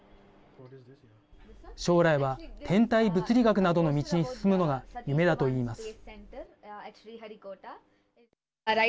将来は天体物理学などの道に進むのが夢だといいます。